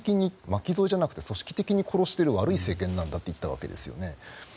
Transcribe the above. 巻き添えじゃなくて、組織的に殺している悪い政権だと言ったんですね。